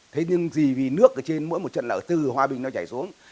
thế nhưng gì vì nước ở trên mỗi một trận là từ hoa bình nó chảy xuống